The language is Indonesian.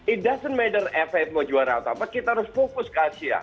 it doesn't matter afs mau juara atau apa kita harus fokus ke asia